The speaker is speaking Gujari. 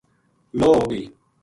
لو ہو گئی